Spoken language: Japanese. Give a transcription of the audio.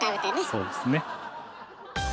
そうですね。